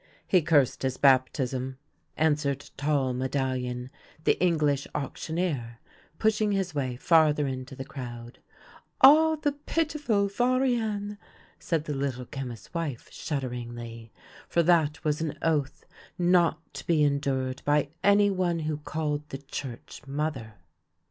" He cursed his baptism," answered tall Medallion, the English auctioneer, pushing his way farther into the crowd. " Ah, the pitiful vaiirten! " said the Little Chemist's wife, shudderingly ; for that was an oath not to be en dured by any one who called the Church mother.